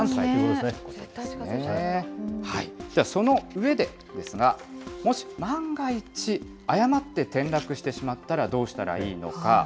ではその上でですが、もし、万が一、誤って転落してしまったら、どうしたらいいのか。